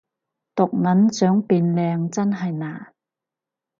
毒撚想變靚真係難